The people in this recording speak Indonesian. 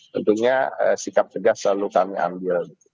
tentunya sikap tegas selalu kami ambil